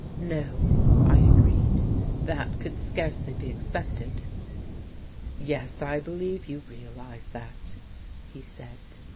"No," I agreed, "that could scarcely be expected." "Yes, I believe you realize that," he said.